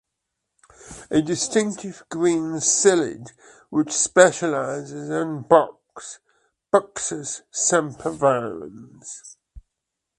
A distinctive green psyllid which specialises on box ("Buxus sempervirens").